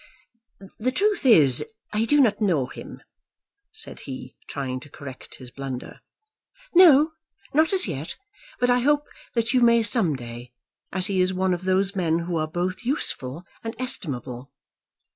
"The truth is I do not know him," said he, trying to correct his blunder. "No; not as yet. But I hope that you may some day, as he is one of those men who are both useful and estimable."